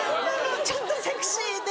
ちょっとセクシーで。